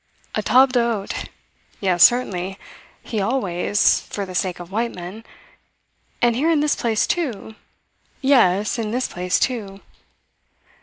A table d'hote? Yes, certainly. He always for the sake of white men. And here in this place, too? Yes, in this place, too.